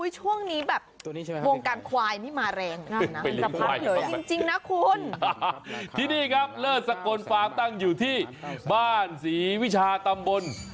ช่วงนี้แบบตัวนี้ใช่มั้ยครับวงการควายนี่มาแรงง่ายนะจริงจริงนะคุณที่นี่ครับเลอดสะกนฟ้างตั้งอยู่ที่บ้านสีวิชาตำบล